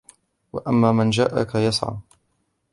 وَأَمَّا مَن جَاءَكَ يَسْعَى